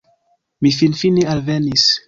Mi finfine alvenis